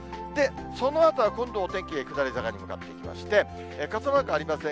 そのあとはどんどんお天気が下り坂に向かっていきまして、傘マークありません